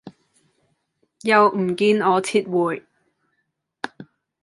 又唔見我撤回